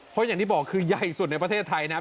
เพราะอย่างที่บอกคือใหญ่สุดในประเทศไทยนะครับ